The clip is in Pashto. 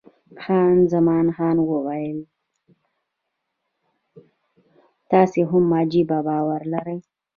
خان زمان وویل، تاسې هم عجبه باور لرئ.